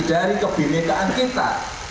dari kebenetaan kita